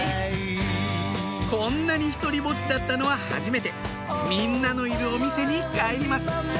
こんなに独りぼっちだったのははじめてみんなのいるお店に帰りますうん。